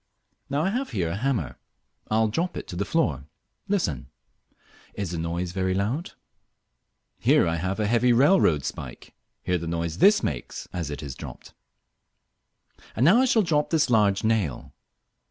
Now I have here a hammer. I will drop it to the floor. Listen. Is the noise very loud? Here I have a heavy railroad spike. Hear the noise this makes as it is dropped. And now I shall drop this large nail.